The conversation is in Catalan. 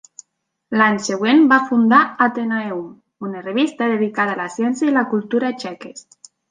L'any següent va fundar "Athenaeum", una revista dedicada a la ciència i la cultura txeques.